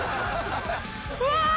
うわ！